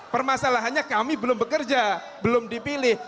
permasalahannya kami belum bekerja belum dipilih